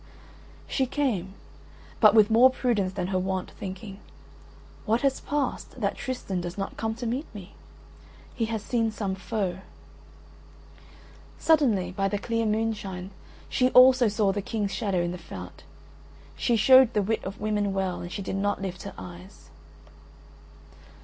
She came, but with more prudence than her wont, thinking, "What has passed, that Tristan does not come to meet me? He has seen some foe." Suddenly, by the clear moonshine, she also saw the King's shadow in the fount. She showed the wit of women well, she did not lift her eyes.